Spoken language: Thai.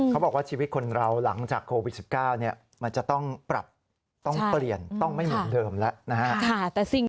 เขาบอกว่าชีวิตคนเราหลังจากโควิด๑๙มันจะต้องปรับต้องเปลี่ยนต้องไม่เหมือนเดิมแล้วนะฮะ